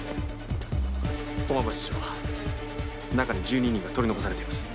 駒場室長中に１２人が取り残されています